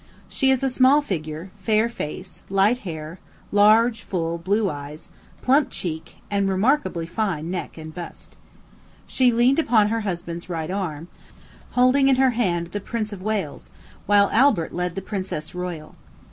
She is a small figure, fair face, light hair, large, full, blue eyes, plump cheek, and remarkably fine neck and bust. She leaned upon her husband's right arm, holding in her hand the Prince of Wales, while Prince Albert led the princess royal.